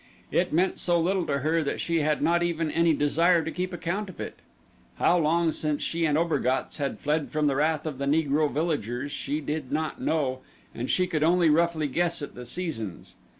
It meant so little to her that she had not even any desire to keep account of it. How long since she and Obergatz had fled from the wrath of the Negro villagers she did not know and she could only roughly guess at the seasons.